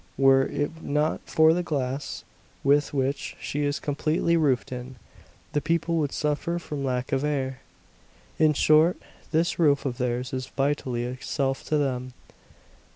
Were it not for the glass with which she is completely roofed in, the people would suffer from lack of air. In short, this roof of theirs is vitality itself to them.